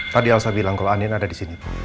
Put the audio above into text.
tadi elsa bilang kalau andin ada disini